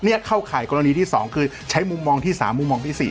เนี่ยเข้าข่ายกรณีที่สองคือใช้มุมมองที่สามมุมมองที่สี่